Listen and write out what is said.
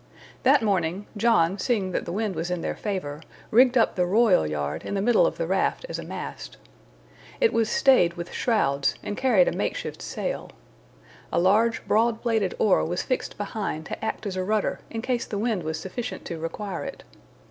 That morning, John seeing that the wind was in their favor, rigged up the royal yard in the middle of the raft as a mast. It was stayed with shrouds, and carried a makeshift sail. A large broad bladed oar was fixed behind to act as a rudder in case the wind was sufficient to require it.